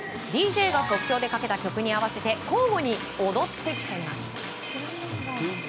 ＤＪが即興でかけた曲に合わせて交互に踊って競います。